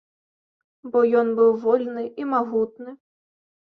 Бо ён быў вольны і магутны.